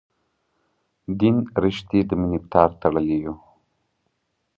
دین رشتې د مینې په تار تړلي یو.